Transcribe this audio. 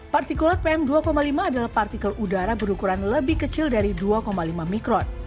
partikulat pm dua lima adalah partikel udara berukuran lebih kecil dari dua lima mikron